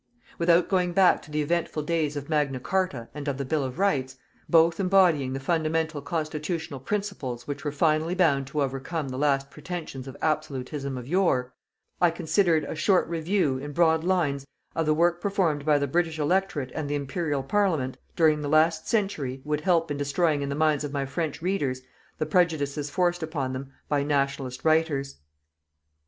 Without going back to the eventful days of Magna Charta and of the Bill of Rights, both embodying the fundamental constitutional principles which were finally bound to overcome the last pretentions of absolutism of yore, I considered a short review, in broad lines, of the work performed by the British Electorate and the Imperial Parliament, during the last century, would help in destroying in the minds of my French readers the prejudices forced upon them by "Nationalist" writers.